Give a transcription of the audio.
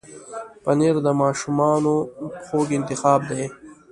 پنېر د ماشومانو خوږ انتخاب دی.